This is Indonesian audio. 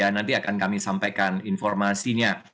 nanti akan kami sampaikan informasinya